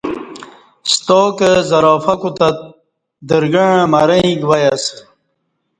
ستا کہ زرافہ کوتت درگݩع مرہ ییک وای اسہ